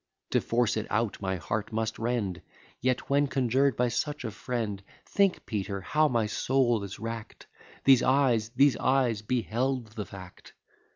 To force it out, my heart must rend; Yet when conjured by such a friend Think, Peter, how my soul is rack'd! These eyes, these eyes, beheld the fact.